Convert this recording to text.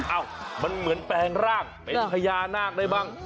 เอ้ามันเหมือนแปลงร่างเป็นพญานาคได้บ้าง